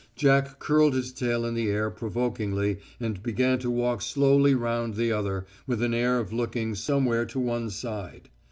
Jack curled his tail in the air provokingly and began to walk slowly round the other, with an air of looking somewhere to one side.